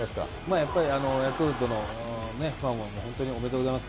やっぱりヤクルトのファンは本当におめでとうございます。